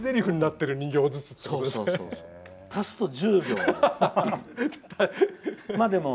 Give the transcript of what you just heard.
足すと１０行。